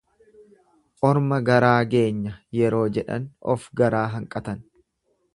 Orma garaa geenya yeroo jedhan of garaa hanqatan.